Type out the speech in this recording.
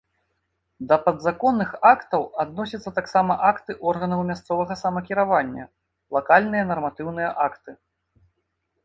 Да падзаконных актаў адносяцца таксама акты органаў мясцовага самакіравання, лакальныя нарматыўныя акты.